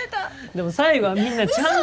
でも最後はみんなちゃんと。